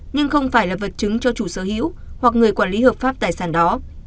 nhưng không phải là vật chứng cho chủ sở hữu hoặc người quản lý hợp pháp tài sản đó